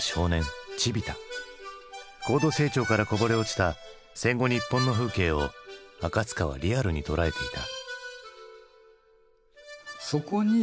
高度成長からこぼれ落ちた戦後日本の風景を赤塚はリアルに捉えていた。